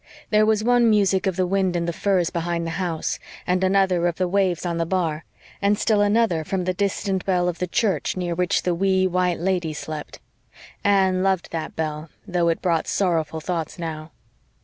There was one music of the wind in the firs behind the house, and another of the waves on the bar, and still another from the distant bell of the church near which the wee, white lady slept. Anne loved that bell, though it brought sorrowful thoughts now.